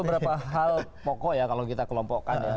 ada beberapa hal pokok ya kalau kita kelompokkan ya